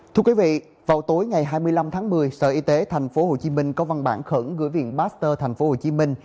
thưa quý vị vào tối ngày hai mươi năm tháng một mươi sở y tế tp hcm có văn bản khẩn gửi viện master tp hcm